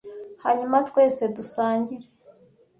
hanyuma twese dusangire.